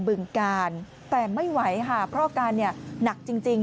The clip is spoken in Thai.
บึงกาลแต่ไม่ไหวค่ะเพราะอาการเนี่ยหนักจริง